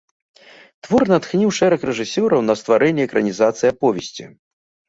Твор натхніў шэраг рэжысёраў на стварэнне экранізацый аповесці.